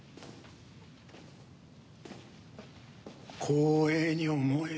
光栄に思え。